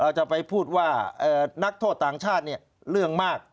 จะไปพูดว่านักโทษต่างชาติเนี่ยเรื่องมาก